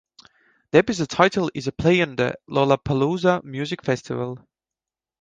The episode title is a play on the Lollapalooza music festival.